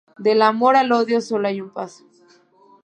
Del amor al odio, solo hay un paso